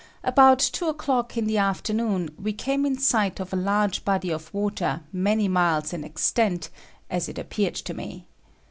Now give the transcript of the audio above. About 2 o'clock in the afternoon we came in sight of a large body of water many miles in extent, as it appeared to me.